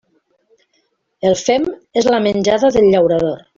El fem és la menjada del llaurador.